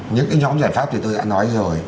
những cái nhóm giải pháp thì tôi đã nói rồi